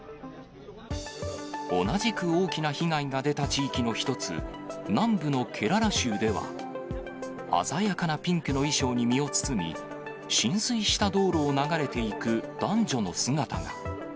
同じく大きな被害が出た地域の一つ、南部のケララ州では、鮮やかなピンクの衣装に身を包み、浸水した道路を流れていく男女の姿が。